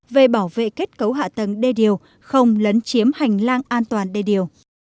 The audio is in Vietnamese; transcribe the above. về bảo vệ kết cấu hạ tầng đê điều không lấn chiếm hành lang an toàn đê điều